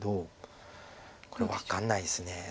これ分かんないです。